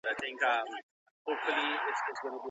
ولي زیارکښ کس د پوه سړي په پرتله هدف ترلاسه کوي؟